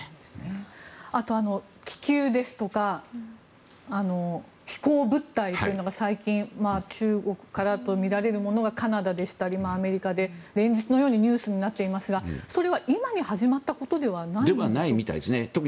あと気球ですとか飛行物体というのが最近、中国からとみられるものがカナダでしたりアメリカで連日のようにニュースになっていますがそれは今に始まったことではないんでしょうか。